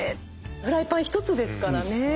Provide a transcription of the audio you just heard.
フライパン一つですからね。